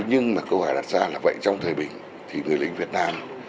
nhưng mà câu hỏi đặt ra là vậy trong thời bình thì người lính việt nam